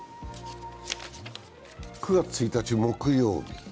９月１日木曜日。